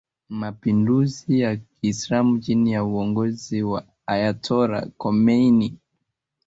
mapinduzi ya Kiislamu chini ya uongozi wa Ayatollah Khomeini